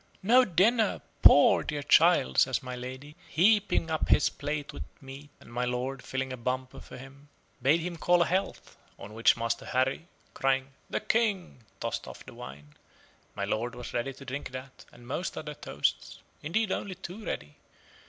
"No dinner! poor dear child!" says my lady, heaping up his plate with meat, and my lord, filling a bumper for him, bade him call a health; on which Master Harry, crying "The King," tossed off the wine. My lord was ready to drink that, and most other toasts: indeed only too ready.